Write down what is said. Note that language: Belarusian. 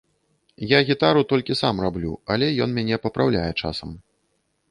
Я гітару толькі сам раблю, але ён мяне папраўляе часам.